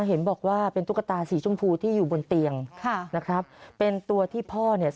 เห็นบอกว่าเป็นตุ๊กตาสีชมพูที่อยู่บนเตียงค่ะนะครับเป็นตัวที่พ่อเนี่ย